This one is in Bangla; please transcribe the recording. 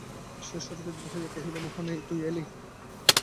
সে সচকিত হইয়া কহিল, মোহন, তুই এলি!